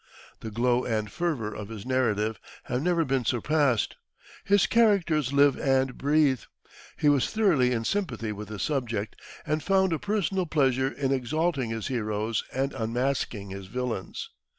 The glow and fervor of his narrative have never been surpassed; his characters live and breathe; he was thoroughly in sympathy with his subject and found a personal pleasure in exalting his heroes and unmasking his villains.